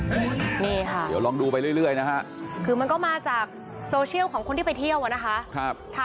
นี่ค่ะนี่ค่ะเดี๋ยวลองรู้ไปเรื่อยนะคะคือมันมาจะโซเชียลคนที่ไปเที่ยวค่ะ